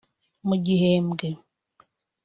mu gihembwe